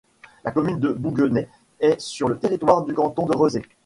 La commune de Bouguenais est sur le territoire du canton de Rezé.